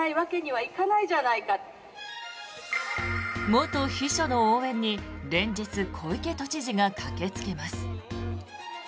元秘書の応援に連日小池都知事が駆けつけます。